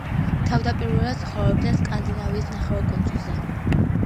თავდაპირველად ცხოვრობდნენ სკანდინავიის ნახევარკუნძულზე.